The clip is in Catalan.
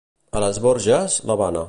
A les Borges, l'Havana.